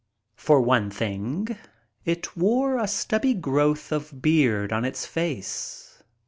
For one thing it wore a stubby growth of beard on its face.